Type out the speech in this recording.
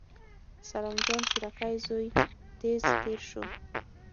د سلام جان سورکی زوی تېز تېر شو.